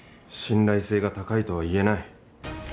信頼性が高いとは言えない。